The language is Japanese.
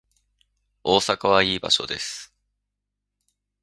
大阪はいい場所です